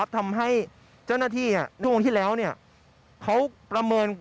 ทำให้เจ้าหน้าที่ช่วงที่แล้วเขาประเมิน